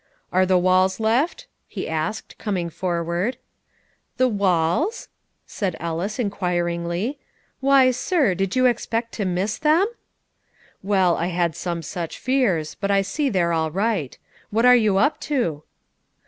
"Are the walls left?" he asked, coming forward. "The walls?" said Ellis inquiringly; "why, sir, did you expect to miss them?" "Well, I had some such fears, but I see they're all right. What are you up to?"